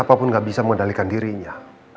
siapa pun gak bisa mengendalikan dirinya